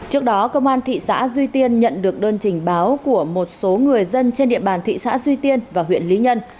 trước đó công an thị xã duy tiên nhận được đơn trình báo của một số người dân trên địa bàn thị xã duy tiên và huyện lý nhân